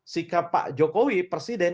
sikap pak jokowi presiden